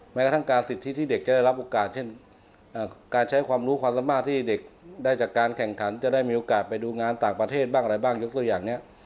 แม้กระทั่งการสิทธิที่เด็กจะได้รับโอกาสเช่นการใช้ความรู้ความสามารถที่เด็กได้จากการแข่งขันจะได้มีโอกาสไปดูงานต่างประเทศบ้างอะไรบ้างยกตัวอย่างนี้